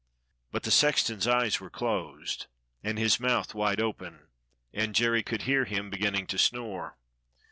But the sexton's eyes were closed and his mouth wide open, and Jerry could hear him beginning to snore.